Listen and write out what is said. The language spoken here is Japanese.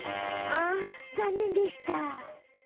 ああざんねんでした。